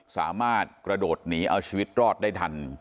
สามารถกระโดดหนีเอาชีวิตรอดได้ทัน